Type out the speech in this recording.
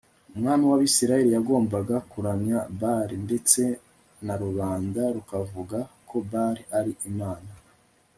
umwami wAbisirayeli yagombaga kuramya Bali ndetse na rubanda rukavuga ko Bali ari Imana